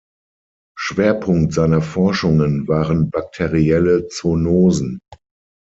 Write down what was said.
Schwerpunkt seiner Forschungen waren bakterielle Zoonosen.